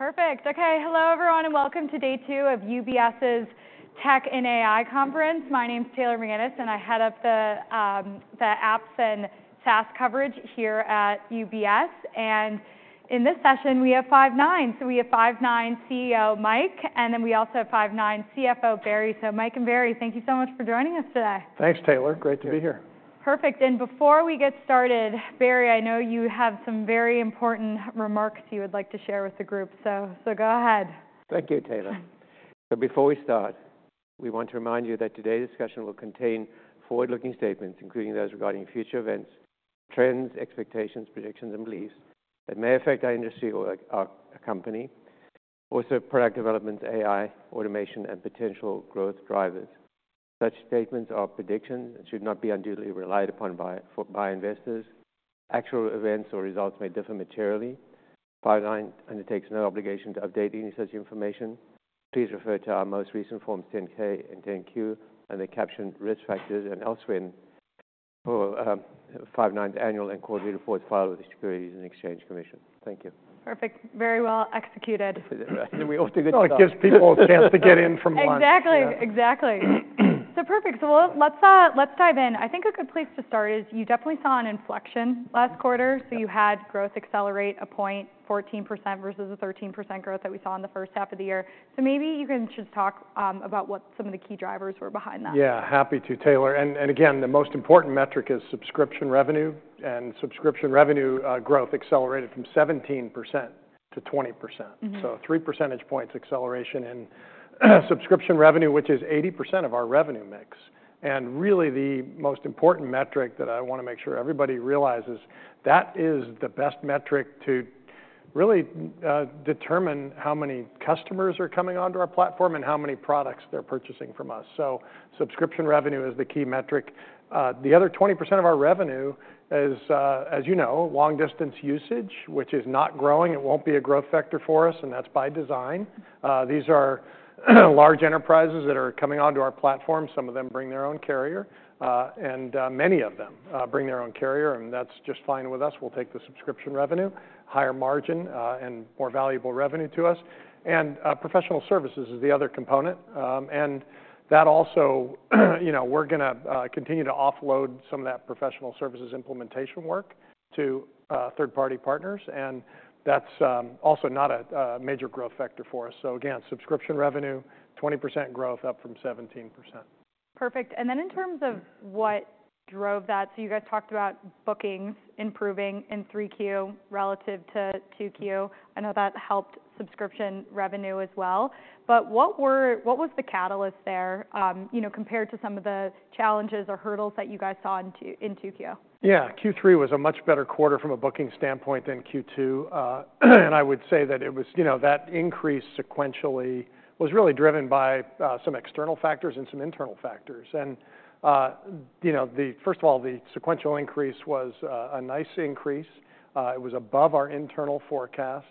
Okay. Perfect. Okay, hello everyone and welcome to day two of UBS's Tech and AI Conference. My name's Taylor McGinnis and I head up the apps and SaaS coverage here at UBS. And in this session we have Five9, so we have Five9 CEO Mike, and then we also have Five9 CFO Barry. So Mike and Barry, thank you so much for joining us today. Thanks, Taylor. Great to be here. Perfect. And before we get started, Barry, I know you have some very important remarks you would like to share with the group, so go ahead. Thank you, Taylor. So before we start, we want to remind you that today's discussion will contain forward-looking statements, including those regarding future events, trends, expectations, predictions, and beliefs that may affect our industry or our company, also product developments, AI, automation, and potential growth drivers. Such statements are predictions and should not be unduly relied upon by investors. Actual events or results may differ materially. Five9 undertakes no obligation to update any such information. Please refer to our most recent Forms 10-K and 10-Q and the captioned risk factors and elsewhere for Five9's annual and quarterly reports filed with the U.S. Securities and Exchange Commission. Thank you. Perfect. Very well executed. It gives people a chance to get in from the line. Exactly. Exactly. So perfect. So let's dive in. I think a good place to start is you definitely saw an inflection last quarter, so you had growth accelerate to 14% versus the 13% growth that we saw in the first half of the year. So maybe you can just talk about what some of the key drivers were behind that. Yeah, happy to, Taylor. And again, the most important metric is subscription revenue, and subscription revenue growth accelerated from 17%-20%. So a three percentage points acceleration in subscription revenue, which is 80% of our revenue mix. And really the most important metric that I want to make sure everybody realizes, that is the best metric to really determine how many customers are coming onto our platform and how many products they're purchasing from us. So subscription revenue is the key metric. The other 20% of our revenue is, as you know, long-distance usage, which is not growing. It won't be a growth factor for us, and that's by design. These are large enterprises that are coming onto our platform. Some of them bring their own carrier, and many of them bring their own carrier, and that's just fine with us. We'll take the subscription revenue, higher margin, and more valuable revenue to us. And professional services is the other component. And that also, you know, we're going to continue to offload some of that professional services implementation work to third-party partners, and that's also not a major growth factor for us. So again, subscription revenue, 20% growth up from 17%. Perfect. And then in terms of what drove that, so you guys talked about bookings improving in 3Q relative to 2Q. I know that helped subscription revenue as well. But what was the catalyst there, you know, compared to some of the challenges or hurdles that you guys saw in 2Q? Yeah, Q3 was a much better quarter from a booking standpoint than Q2. And I would say that it was, you know, that increase sequentially was really driven by some external factors and some internal factors. And, you know, first of all, the sequential increase was a nice increase. It was above our internal forecast.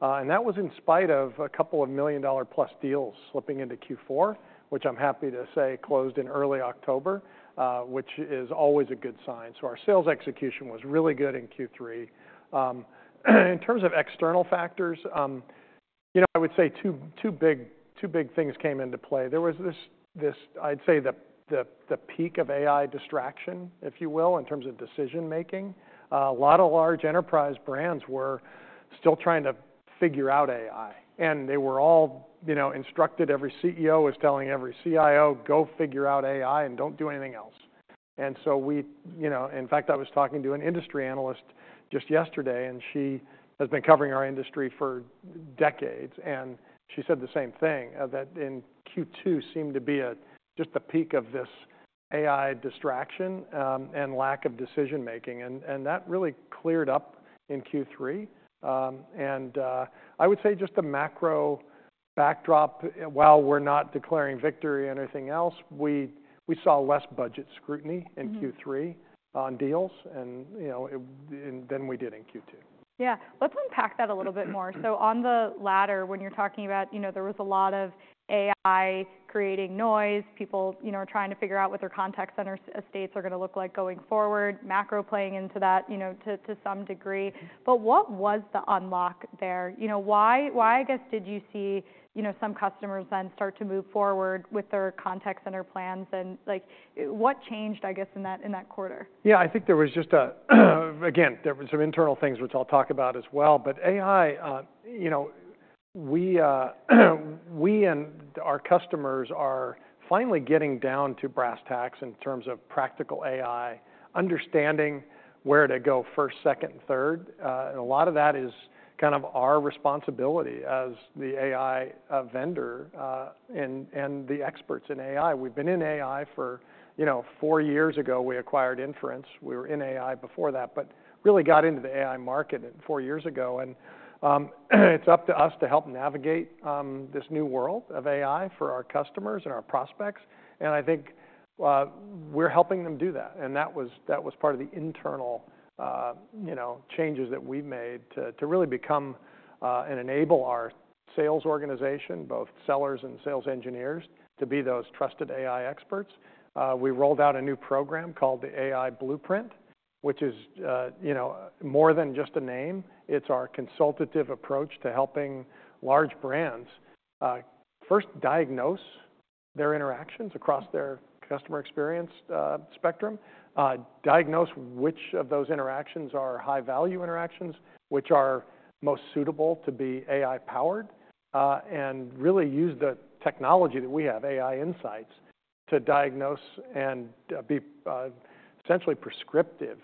And that was in spite of a couple of million-dollar-plus deals slipping into Q4, which I'm happy to say closed in early October, which is always a good sign. So our sales execution was really good in Q3. In terms of external factors, you know, I would say two big things came into play. There was this, I'd say, the peak of AI distraction, if you will, in terms of decision-making. A lot of large enterprise brands were still trying to figure out AI, and they were all, you know, instructed. Every CEO was telling every CIO, "Go figure out AI and don't do anything else." And so we, you know, in fact, I was talking to an industry analyst just yesterday, and she has been covering our industry for decades, and she said the same thing, that in Q2 seemed to be just the peak of this AI distraction and lack of decision-making. And that really cleared up in Q3. And I would say just the macro backdrop, while we're not declaring victory or anything else, we saw less budget scrutiny in Q3 on deals, and, you know, than we did in Q2. Yeah. Let's unpack that a little bit more. So on the latter, when you're talking about, you know, there was a lot of AI creating noise, people, you know, are trying to figure out what their contact center estates are going to look like going forward, macro playing into that, you know, to some degree. But what was the unlock there? You know, why, I guess, did you see, you know, some customers then start to move forward with their contact center plans? And like, what changed, I guess, in that quarter? Yeah, I think there was just a, again, there were some internal things, which I'll talk about as well. But AI, you know, we and our customers are finally getting down to brass tacks in terms of practical AI, understanding where to go first, second, and third. And a lot of that is kind of our responsibility as the AI vendor and the experts in AI. We've been in AI for, you know, four years ago. We acquired Inference. We were in AI before that, but really got into the AI market four years ago. And it's up to us to help navigate this new world of AI for our customers and our prospects. And I think we're helping them do that. And that was part of the internal, you know, changes that we've made to really become and enable our sales organization, both sellers and sales engineers, to be those trusted AI experts. We rolled out a new program called the AI Blueprint, which is, you know, more than just a name. It's our consultative approach to helping large brands first diagnose their interactions across their customer experience spectrum, diagnose which of those interactions are high-value interactions, which are most suitable to be AI-powered, and really use the technology that we have, AI Insights, to diagnose and be essentially prescriptive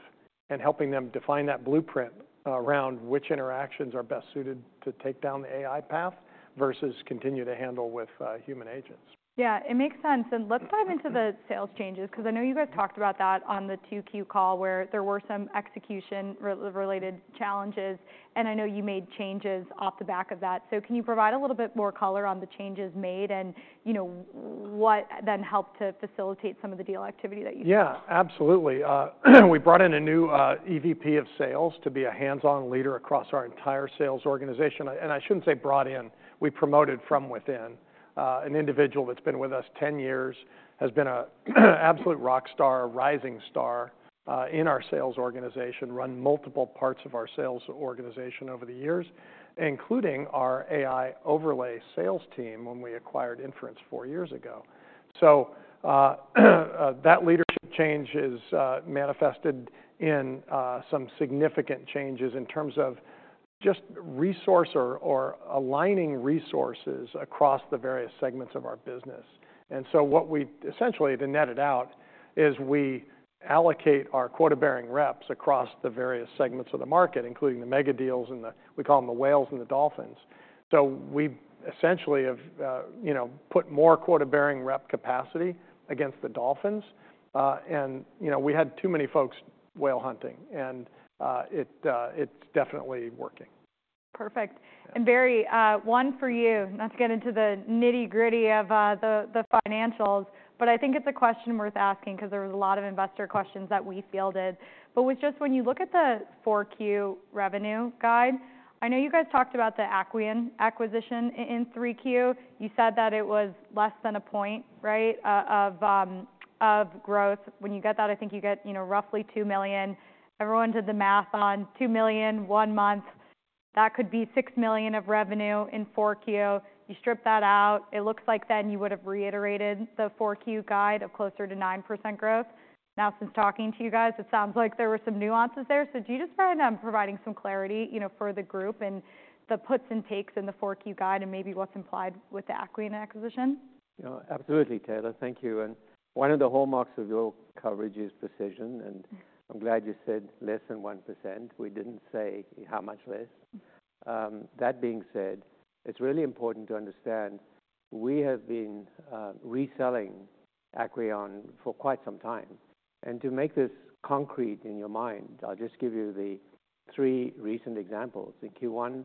in helping them define that blueprint around which interactions are best suited to take down the AI path versus continue to handle with human agents. Yeah, it makes sense, and let's dive into the sales changes, because I know you guys talked about that on the 2Q call where there were some execution-related challenges, and I know you made changes off the back of that, so can you provide a little bit more color on the changes made and, you know, what then helped to facilitate some of the deal activity that you saw? Yeah, absolutely. We brought in a new EVP of sales to be a hands-on leader across our entire sales organization, and I shouldn't say brought in, we promoted from within. An individual that's been with us 10 years has been an absolute rock star, a rising star in our sales organization, run multiple parts of our sales organization over the years, including our AI overlay sales team when we acquired Inference four years ago, so that leadership change is manifested in some significant changes in terms of just resource or aligning resources across the various segments of our business, and so what we essentially, to net it out, is we allocate our quota-bearing reps across the various segments of the market, including the mega deals and the, we call them the whales and the dolphins, so we essentially have, you know, put more quota-bearing rep capacity against the dolphins. You know, we had too many folks whale hunting, and it's definitely working. Perfect. And Barry, one for you, not to get into the nitty-gritty of the financials, but I think it's a question worth asking because there were a lot of investor questions that we fielded. But just when you look at the 4Q revenue guide, I know you guys talked about the Acqueon acquisition in 3Q. You said that it was less than a point, right, of growth. When you get that, I think you get, you know, roughly $2 million. Everyone did the math on $2 million one month. That could be $6 million of revenue in 4Q. You strip that out, it looks like then you would have reiterated the 4Q guide of closer to 9% growth. Now, since talking to you guys, it sounds like there were some nuances there. So do you just mind providing some clarity, you know, for the group and the puts and takes in the 4Q guide and maybe what's implied with the Acqueon acquisition? Absolutely, Taylor. Thank you. And one of the hallmarks of your coverage is precision, and I'm glad you said less than 1%. We didn't say how much less. That being said, it's really important to understand we have been reselling Acqueon for quite some time. And to make this concrete in your mind, I'll just give you the three recent examples. In Q1,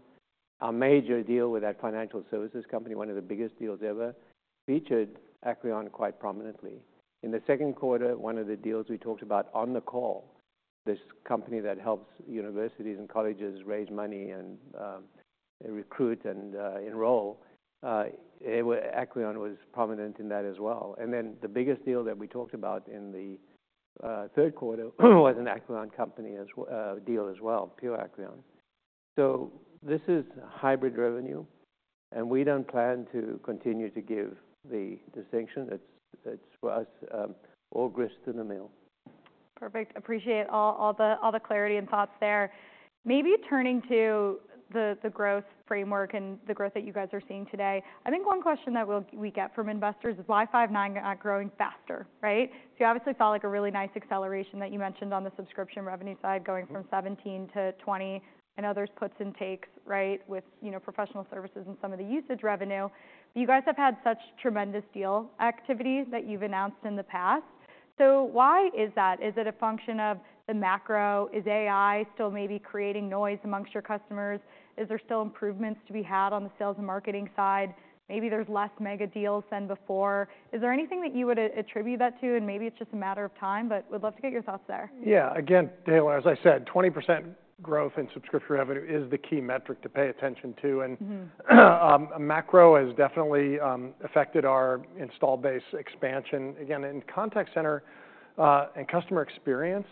our major deal with that financial services company, one of the biggest deals ever, featured Acqueon quite prominently. In the second quarter, one of the deals we talked about on the call, this company that helps universities and colleges raise money and recruit and enroll, Acqueon was prominent in that as well. And then the biggest deal that we talked about in the third quarter was an Acqueon company deal as well, pure Acqueon. So this is hybrid revenue, and we don't plan to continue to give the distinction. It's for us, all grist in the mill. Perfect. Appreciate all the clarity and thoughts there. Maybe turning to the growth framework and the growth that you guys are seeing today, I think one question that we get from investors is why Five9's growing faster, right? So you obviously felt like a really nice acceleration that you mentioned on the subscription revenue side going from 17%-20%, and other puts and takes, right, with, you know, professional services and some of the usage revenue. But you guys have had such tremendous deal activity that you've announced in the past. So why is that? Is it a function of the macro? Is AI still maybe creating noise among your customers? Is there still improvements to be had on the sales and marketing side? Maybe there's less mega deals than before. Is there anything that you would attribute that to? And maybe it's just a matter of time, but would love to get your thoughts there. Yeah. Again, Taylor, as I said, 20% growth in subscription revenue is the key metric to pay attention to. And macro has definitely affected our install base expansion. Again, in contact center and customer experience,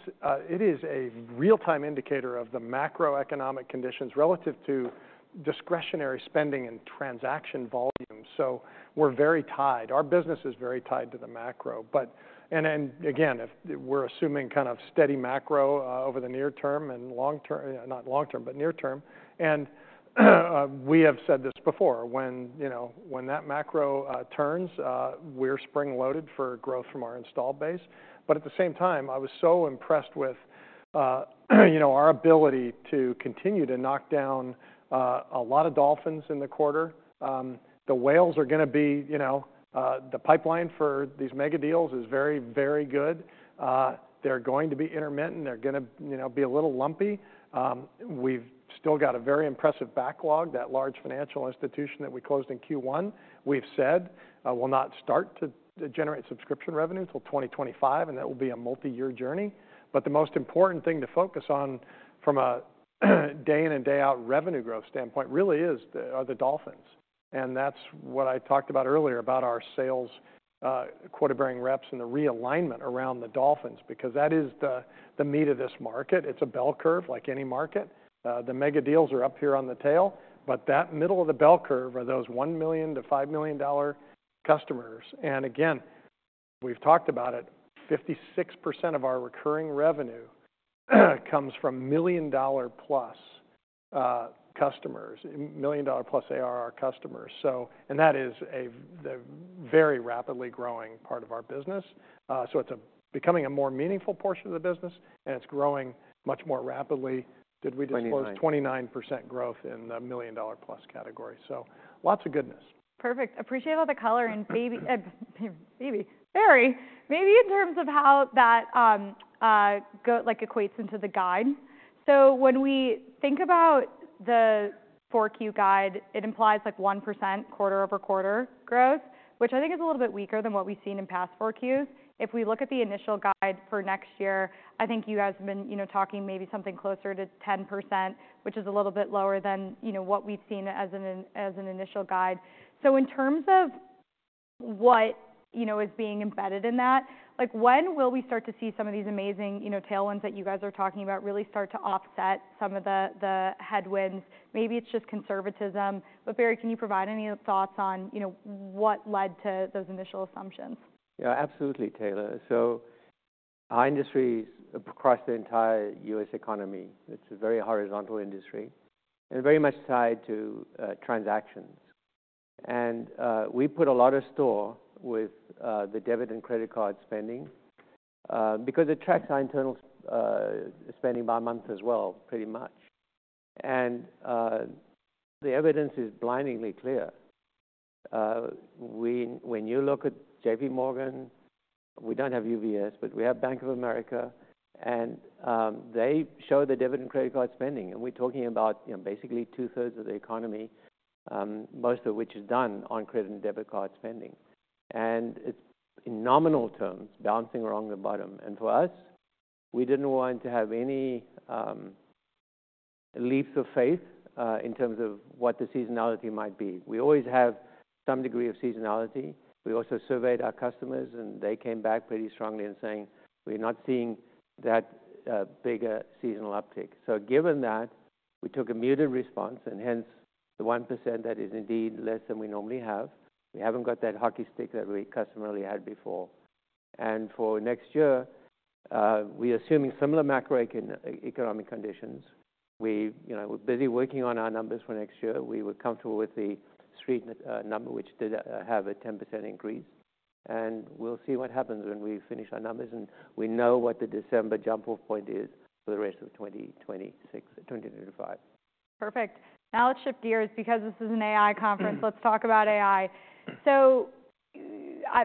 it is a real-time indicator of the macroeconomic conditions relative to discretionary spending and transaction volume. So we're very tied. Our business is very tied to the macro. But, and again, if we're assuming kind of steady macro over the near term and long term, not long term, but near term. And we have said this before, when, you know, when that macro turns, we're spring-loaded for growth from our install base. But at the same time, I was so impressed with, you know, our ability to continue to knock down a lot of dolphins in the quarter. The whales are going to be, you know, the pipeline for these mega deals is very, very good. They're going to be intermittent. They're going to, you know, be a little lumpy. We've still got a very impressive backlog, that large financial institution that we closed in Q1. We've said will not start to generate subscription revenue until 2025, and that will be a multi-year journey, but the most important thing to focus on from a day-in and day-out revenue growth standpoint really is the dolphins, and that's what I talked about earlier about our sales quota-bearing reps and the realignment around the dolphins, because that is the meat of this market. It's a bell curve like any market. The mega deals are up here on the tail, but that middle of the bell curve are those $1 million-$5 million customers. And again, we've talked about it, 56% of our recurring revenue comes from million-dollar-plus customers, million-dollar-plus ARR customers. So, and that is a very rapidly growing part of our business. So it's becoming a more meaningful portion of the business, and it's growing much more rapidly. Did we just close 29% growth in the million-dollar-plus category? So lots of goodness. Perfect. Appreciate all the color and maybe, maybe, Barry, maybe in terms of how that, like, equates into the guide. So when we think about the 4Q guide, it implies like 1% quarter-over-quarter growth, which I think is a little bit weaker than what we've seen in past 4Qs. If we look at the initial guide for next year, I think you guys have been, you know, talking maybe something closer to 10%, which is a little bit lower than, you know, what we've seen as an initial guide. So in terms of what, you know, is being embedded in that, like, when will we start to see some of these amazing, you know, tailwinds that you guys are talking about really start to offset some of the headwinds? Maybe it's just conservatism. But Barry, can you provide any thoughts on, you know, what led to those initial assumptions? Yeah, absolutely, Taylor. So our industry is across the entire U.S. economy. It's a very horizontal industry and very much tied to transactions. And we put a lot of store with the debit and credit card spending because it tracks our internal spending by month as well, pretty much. And the evidence is blindingly clear. When you look at JPMorgan, we don't have UBS, but we have Bank of America, and they show the debit and credit card spending. And we're talking about, you know, basically two-thirds of the economy, most of which is done on credit and debit card spending. And it's in nominal terms, bouncing around the bottom. And for us, we didn't want to have any leaps of faith in terms of what the seasonality might be. We always have some degree of seasonality. We also surveyed our customers, and they came back pretty strongly in saying we're not seeing that bigger seasonal uptick, so given that, we took a muted response, and hence the 1% that is indeed less than we normally have. We haven't got that hockey stick that we customarily had before, and for next year, we're assuming similar macroeconomic conditions. We, you know, we're busy working on our numbers for next year. We were comfortable with the street number, which did have a 10% increase, and we'll see what happens when we finish our numbers, and we know what the December jump-off point is for the rest of 2026, 2025. Perfect. Now let's shift gears because this is an AI conference. Let's talk about AI. So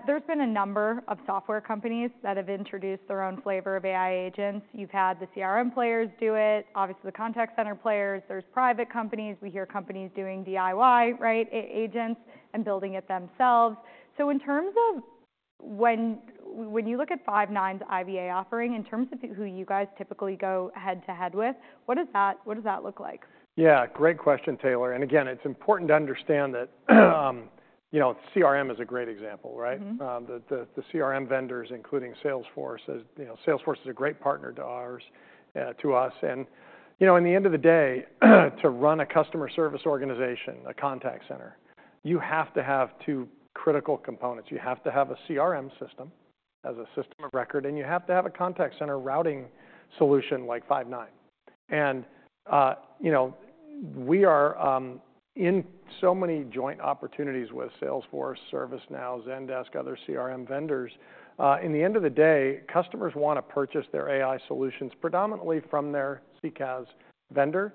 there's been a number of software companies that have introduced their own flavor of AI agents. You've had the CRM players do it, obviously the contact center players. There's private companies. We hear companies doing DIY, right, agents and building it themselves. So in terms of when you look at Five9's IVA offering, in terms of who you guys typically go head-to-head with, what does that look like? Yeah, great question, Taylor. And again, it's important to understand that, you know, CRM is a great example, right? The CRM vendors, including Salesforce, you know, Salesforce is a great partner to us. And, you know, in the end of the day, to run a customer service organization, a contact center, you have to have two critical components. You have to have a CRM system as a system of record, and you have to have a contact center routing solution like Five9. And, you know, we are in so many joint opportunities with Salesforce, ServiceNow, Zendesk, other CRM vendors. In the end of the day, customers want to purchase their AI solutions predominantly from their CCaaS vendor,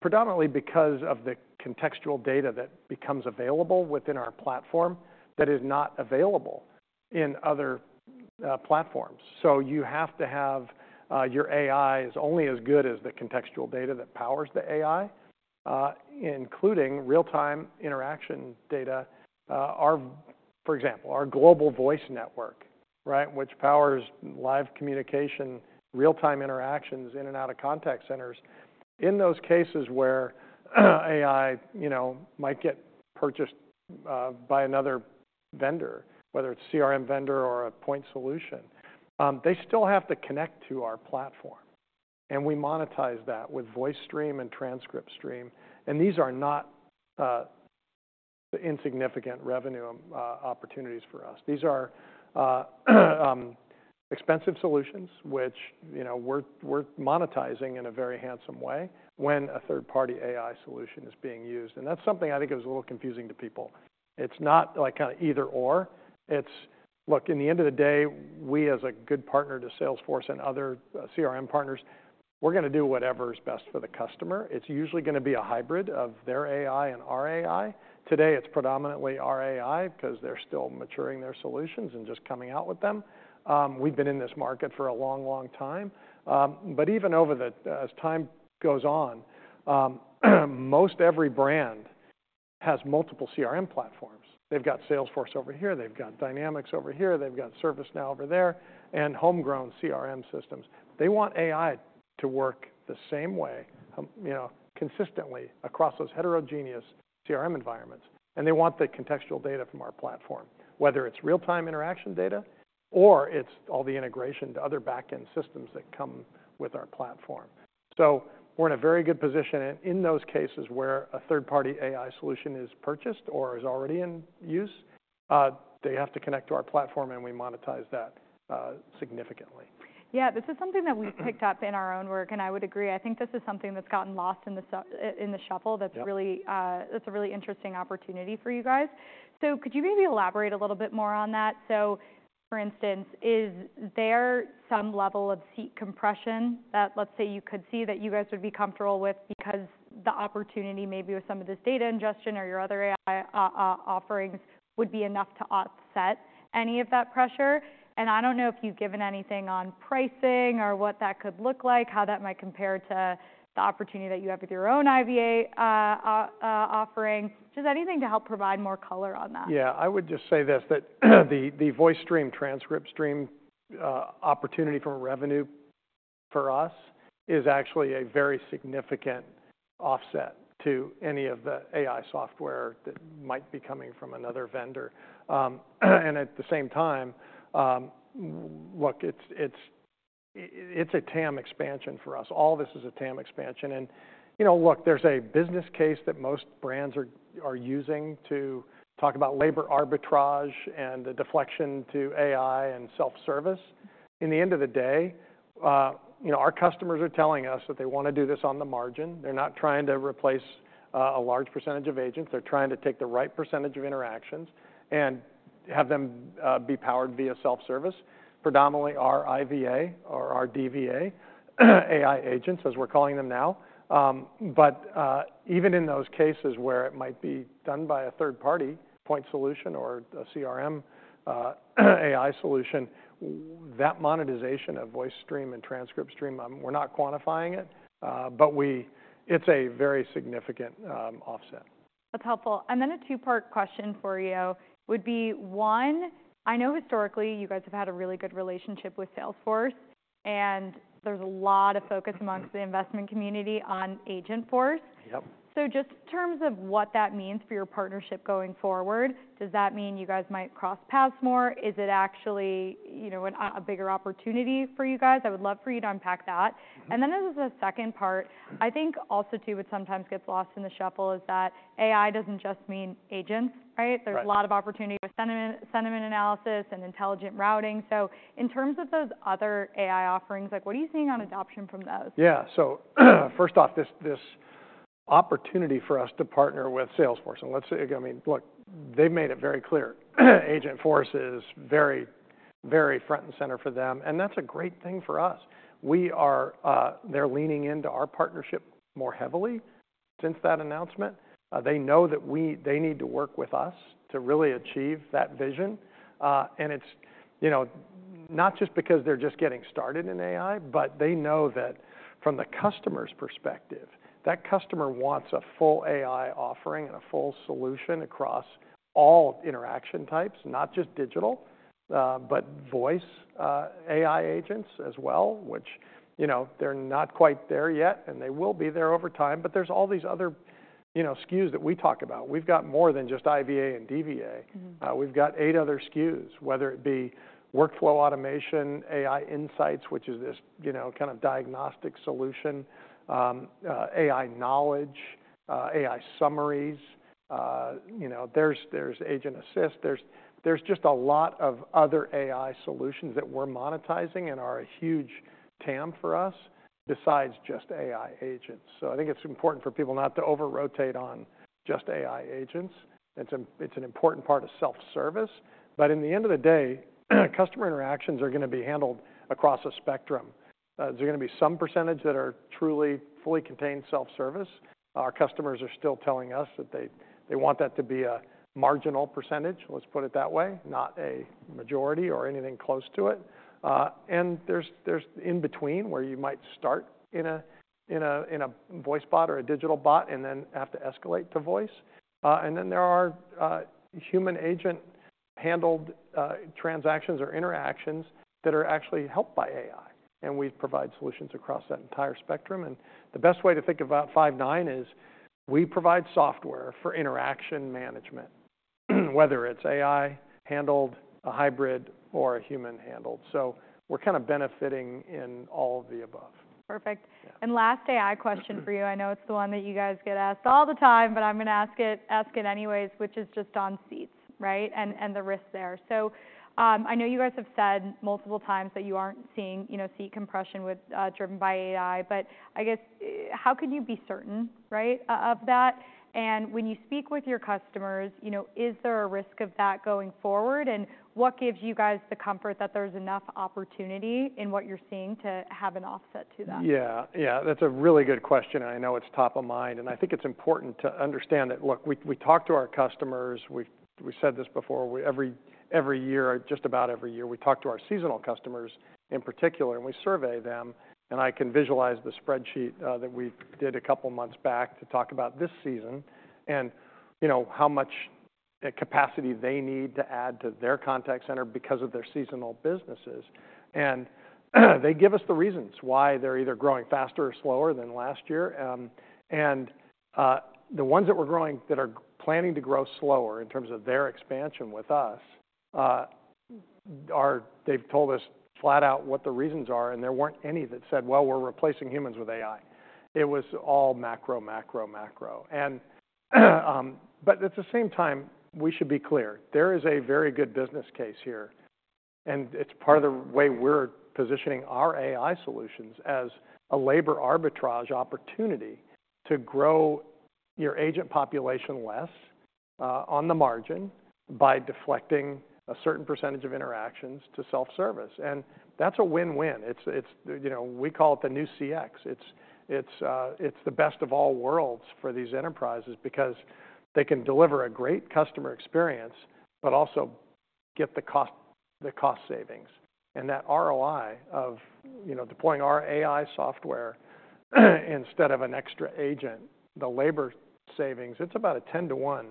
predominantly because of the contextual data that becomes available within our platform that is not available in other platforms. You have to have your AI as only as good as the contextual data that powers the AI, including real-time interaction data. For example, our global voice network, right, which powers live communication, real-time interactions in and out of contact centers. In those cases where AI, you know, might get purchased by another vendor, whether it's a CRM vendor or a point solution, they still have to connect to our platform. And we monetize that with VoiceStream and TranscriptStream. And these are not insignificant revenue opportunities for us. These are expensive solutions, which, you know, we're monetizing in a very handsome way when a third-party AI solution is being used. And that's something I think is a little confusing to people. It's not like kind of either/or. It's, look, at the end of the day, we as a good partner to Salesforce and other CRM partners, we're going to do whatever is best for the customer. It's usually going to be a hybrid of their AI and our AI. Today, it's predominantly our AI because they're still maturing their solutions and just coming out with them. We've been in this market for a long, long time. But even over the, as time goes on, most every brand has multiple CRM platforms. They've got Salesforce over here, they've got Dynamics over here, they've got ServiceNow over there, and homegrown CRM systems. They want AI to work the same way, you know, consistently across those heterogeneous CRM environments. And they want the contextual data from our platform, whether it's real-time interaction data or it's all the integration to other back-end systems that come with our platform. We're in a very good position. In those cases where a third-party AI solution is purchased or is already in use, they have to connect to our platform, and we monetize that significantly. Yeah, this is something that we've picked up in our own work, and I would agree. I think this is something that's gotten lost in the shuffle. That's really an interesting opportunity for you guys. So could you maybe elaborate a little bit more on that? So, for instance, is there some level of seat compression that, let's say, you could see that you guys would be comfortable with because the opportunity maybe with some of this data ingestion or your other AI offerings would be enough to offset any of that pressure? And I don't know if you've given anything on pricing or what that could look like, how that might compare to the opportunity that you have with your own IVA offering. Just anything to help provide more color on that? Yeah, I would just say this, that the VoiceStream, TranscriptStream opportunity from revenue for us is actually a very significant offset to any of the AI software that might be coming from another vendor. And at the same time, look, it's a TAM expansion for us. All this is a TAM expansion. And, you know, look, there's a business case that most brands are using to talk about labor arbitrage and the deflection to AI and self-service. In the end of the day, you know, our customers are telling us that they want to do this on the margin. They're not trying to replace a large percentage of agents. They're trying to take the right percentage of interactions and have them be powered via self-service, predominantly our IVA or our DVA, AI agents, as we're calling them now. But even in those cases where it might be done by a third-party point solution or a CRM AI solution, that monetization of VoiceStream and TranscriptStream, we're not quantifying it, but it's a very significant offset. That's helpful. And then a two-part question for you would be, one, I know historically you guys have had a really good relationship with Salesforce, and there's a lot of focus amongst the investment community on Agentforce. So just in terms of what that means for your partnership going forward, does that mean you guys might cross paths more? Is it actually, you know, a bigger opportunity for you guys? I would love for you to unpack that. And then there's a second part, I think also too, what sometimes gets lost in the shuffle is that AI doesn't just mean agents, right? There's a lot of opportunity with sentiment analysis and intelligent routing. So in terms of those other AI offerings, like what are you seeing on adoption from those? Yeah, so first off, this opportunity for us to partner with Salesforce, and let's say, I mean, look, they've made it very clear. Agentforce is very, very front and center for them, and that's a great thing for us. They're leaning into our partnership more heavily since that announcement. They know that they need to work with us to really achieve that vision. And it's, you know, not just because they're just getting started in AI, but they know that from the customer's perspective, that customer wants a full AI offering and a full solution across all interaction types, not just digital, but voice AI agents as well, which, you know, they're not quite there yet, and they will be there over time. But there's all these other, you know, SKUs that we talk about. We've got more than just IVA and DVA. We've got eight other SKUs, whether it be Workflow Automation, AI Insights, which is this, you know, kind of diagnostic solution, AI Knowledge, AI Summaries. You know, there's Agent Assist. There's just a lot of other AI solutions that we're monetizing and are a huge TAM for us besides just AI agents. So I think it's important for people not to over-rotate on just AI agents. It's an important part of self-service. But in the end of the day, customer interactions are going to be handled across a spectrum. There's going to be some percentage that are truly fully contained self-service. Our customers are still telling us that they want that to be a marginal percentage, let's put it that way, not a majority or anything close to it. And there's in-between where you might start in a voice bot or a digital bot and then have to escalate to voice. And then there are human-agent handled transactions or interactions that are actually helped by AI. And we provide solutions across that entire spectrum. And the best way to think about Five9 is we provide software for interaction management, whether it's AI-handled, a hybrid, or a human-handled. So we're kind of benefiting in all of the above. Perfect. And last AI question for you. I know it's the one that you guys get asked all the time, but I'm going to ask it anyways, which is just on seats, right, and the risk there. So I know you guys have said multiple times that you aren't seeing, you know, seat compression driven by AI, but I guess how can you be certain, right, of that? And when you speak with your customers, you know, is there a risk of that going forward? And what gives you guys the comfort that there's enough opportunity in what you're seeing to have an offset to that? Yeah, yeah, that's a really good question. And I know it's top of mind. And I think it's important to understand that, look, we talk to our customers. We've said this before. Every year, just about every year, we talk to our seasonal customers in particular, and we survey them. And I can visualize the spreadsheet that we did a couple of months back to talk about this season and, you know, how much capacity they need to add to their contact center because of their seasonal businesses. And they give us the reasons why they're either growing faster or slower than last year. And the ones that we're growing that are planning to grow slower in terms of their expansion with us, they've told us flat out what the reasons are. And there weren't any that said, well, we're replacing humans with AI. It was all macro, macro, macro. But at the same time, we should be clear. There is a very good business case here. And it's part of the way we're positioning our AI solutions as a labor arbitrage opportunity to grow your agent population less on the margin by deflecting a certain percentage of interactions to self-service. And that's a win-win. It's, you know, we call it the new CX. It's the best of all worlds for these enterprises because they can deliver a great customer experience, but also get the cost savings. And that ROI of, you know, deploying our AI software instead of an extra agent, the labor savings, it's about a 10 to 1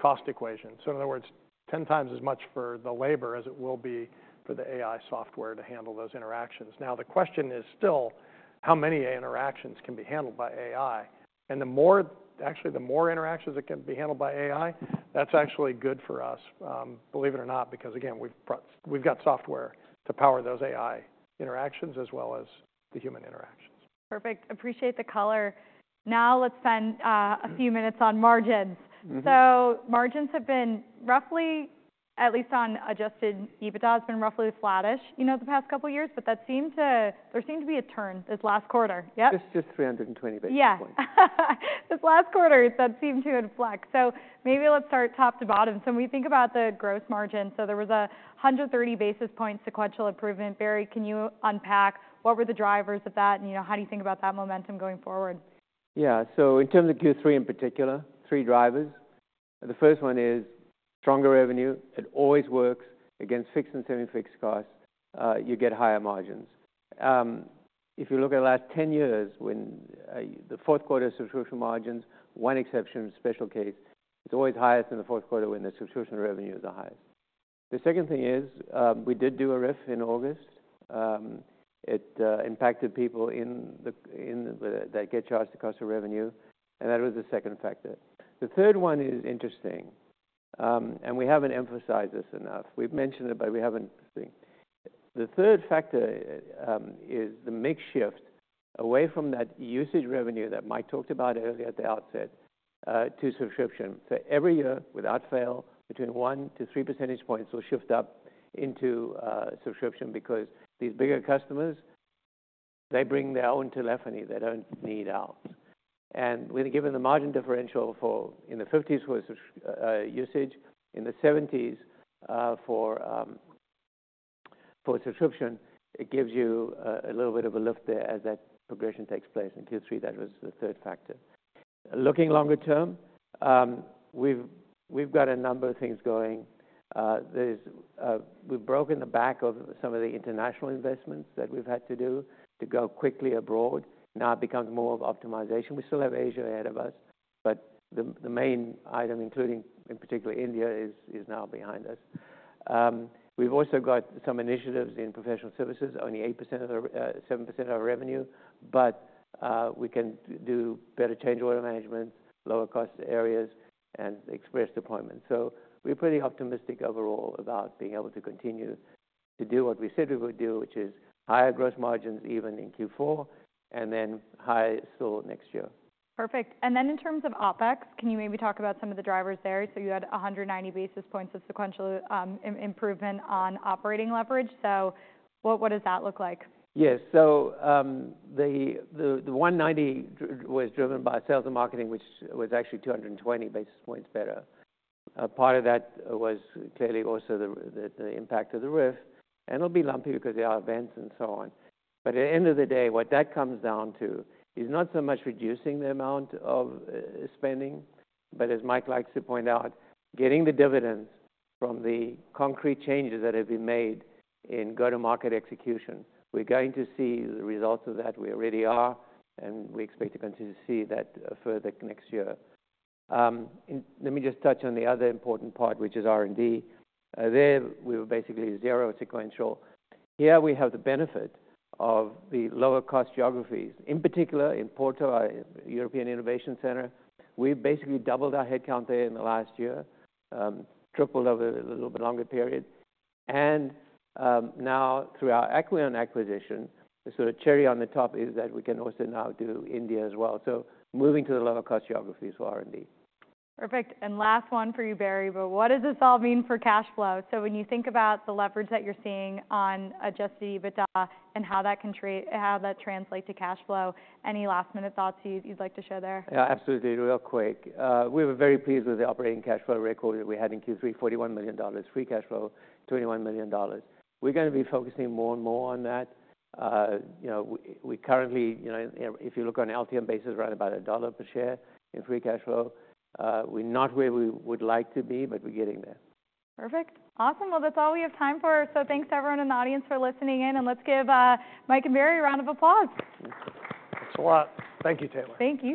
cost equation. So in other words, 10 times as much for the labor as it will be for the AI software to handle those interactions. Now, the question is still how many interactions can be handled by AI. Actually, the more interactions that can be handled by AI, that's actually good for us, believe it or not, because again, we've got software to power those AI interactions as well as the human interactions. Perfect. Appreciate the color. Now let's spend a few minutes on margins. So margins have been roughly, at least on adjusted EBITDA, has been roughly flattish, you know, the past couple of years, but that seemed to, there seemed to be a turn this last quarter. Yep. This is just 320 basis points. Yeah. This last quarter, that seemed to inflect. So maybe let's start top to bottom. So when we think about the gross margin, so there was a 130 basis points sequential improvement. Barry, can you unpack what were the drivers of that? And, you know, how do you think about that momentum going forward? Yeah, so in terms of Q3 in particular, three drivers. The first one is stronger revenue. It always works against fixed and semi-fixed costs. You get higher margins. If you look at the last 10 years, when the fourth quarter subscription margins, one exception, special case, it's always higher than the fourth quarter when the subscription revenue is the highest. The second thing is we did do a RIF in August. It impacted people that get charged the cost of revenue. And that was the second factor. The third one is interesting. And we haven't emphasized this enough. We've mentioned it, but we haven't thought. The third factor is the shift away from that usage revenue that Mike talked about earlier at the outset to subscription. So every year without fail, between one to three percentage points will shift up into subscription because these bigger customers, they bring their own telephony that don't need out. And when given the margin differential for in the 50s for usage, in the 70s for subscription, it gives you a little bit of a lift there as that progression takes place. In Q3, that was the third factor. Looking longer term, we've got a number of things going. We've broken the back of some of the international investments that we've had to do to go quickly abroad. Now it becomes more of optimization. We still have Asia ahead of us, but the main item, including in particular India, is now behind us. We've also got some initiatives in professional services, only 8% of the 7% of our revenue, but we can do better change order management, lower cost areas, and express deployment. So we're pretty optimistic overall about being able to continue to do what we said we would do, which is higher gross margins even in Q4 and then higher still next year. Perfect. And then in terms of OpEx, can you maybe talk about some of the drivers there? So you had 190 basis points of sequential improvement on operating leverage. So what does that look like? Yes. So the 190 was driven by sales and marketing, which was actually 220 basis points better. Part of that was clearly also the impact of the RIF. And it'll be lumpy because there are events and so on. But at the end of the day, what that comes down to is not so much reducing the amount of spending, but as Mike likes to point out, getting the dividends from the concrete changes that have been made in go-to-market execution. We're going to see the results of that. We already are, and we expect to continue to see that further next year. Let me just touch on the other important part, which is R&D. There we were basically zero sequential. Here we have the benefit of the lower cost geographies. In particular, in Porto, our European Innovation Center, we basically doubled our headcount there in the last year, tripled over a little bit longer period. And now through our Acqueon acquisition, the sort of cherry on the top is that we can also now do India as well. So moving to the lower cost geographies for R&D. Perfect. And last one for you, Barry, but what does this all mean for cash flow? So when you think about the leverage that you're seeing on adjusted EBITDA and how that can trade, how that translates to cash flow, any last minute thoughts you'd like to share there? Yeah, absolutely. Real quick. We were very pleased with the operating cash flow record that we had in Q3, $41 million, free cash flow, $21 million. We're going to be focusing more and more on that. You know, we currently, you know, if you look on LTM basis, we're at about $1 per share in free cash flow. We're not where we would like to be, but we're getting there. Perfect. Awesome. Well, that's all we have time for. So thanks to everyone in the audience for listening in. And let's give Mike and Barry a round of applause. Thanks a lot. Thank you, Taylor. Thank you.